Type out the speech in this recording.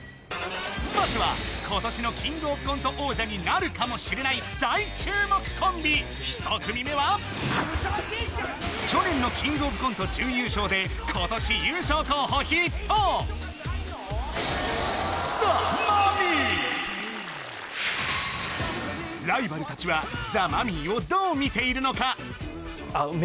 まずは今年のキングオブコント王者になるかもしれない大注目コンビ１組目は去年のキングオブコント準優勝で今年優勝候補筆頭ライバル達はザ・マミィをどう見ているのか？